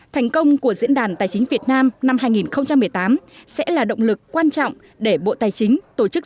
thành công của diễn đàn tài chính việt nam năm hai nghìn một mươi tám sẽ là động lực quan trọng để bộ tài chính tổ chức